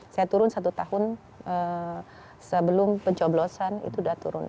saya turun satu tahun sebelum pencoblosan itu sudah turun